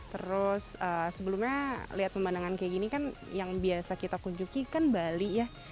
terus sebelumnya liat pemandangan kayak gini kan yang biasa kita kunjungi kan bali ya